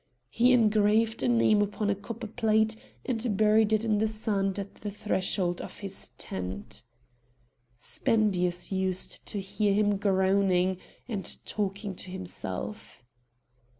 He engraved a name upon a copper plate, and buried it in the sand at the threshold of his tent. Spendius used to hear him groaning and talking to himself.